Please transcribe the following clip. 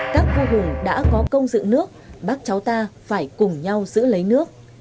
các vô hùng đã có công dự nước bác cháu ta phải cùng nhau giữ lấy nước